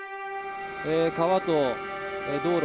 川と道路